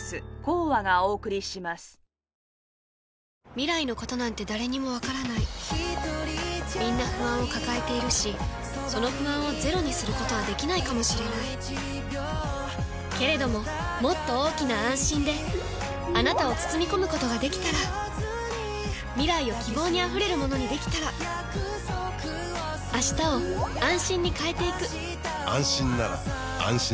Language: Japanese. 未来のことなんて誰にもわからないみんな不安を抱えているしその不安をゼロにすることはできないかもしれないけれどももっと大きな「あんしん」であなたを包み込むことができたら未来を希望にあふれるものにできたら変わりつづける世界に、「あんしん」を。